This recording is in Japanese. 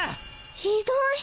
ひどい！